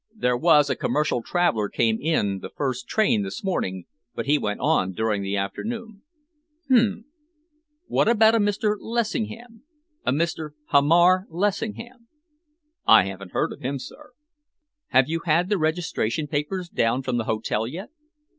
There was a commercial traveller came in the first train this morning, but he went on during the afternoon." "Hm! What about a Mr. Lessingham a Mr. Hamar Lessingham?" "I haven't heard of him, sir." "Have you had the registration papers down from the hotel yet?"